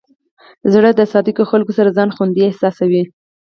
زړه د صادقو خلکو سره ځان خوندي احساسوي.